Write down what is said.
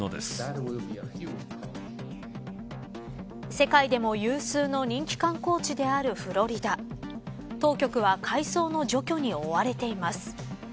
世界でも有数の人気観光地であるフロリダ当局は海藻の除去に追われています。